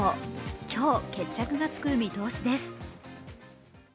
今日決着がつく見通しです。